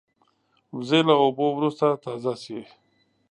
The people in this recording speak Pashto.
وزې له اوبو وروسته تازه شي